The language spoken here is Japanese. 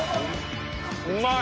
うまい！